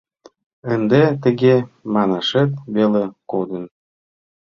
— Ынде тыге манашет веле кодын.